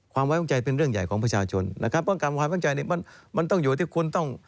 ความไว้วางใจเป็นเรื่องใหญ่ของประชาชนนะครับเพราะว่าการไว้วางใจมันต้องอยู่ที่คุณต้อง